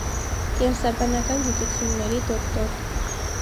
Կենսաբանական գիտությունների դոկտոր։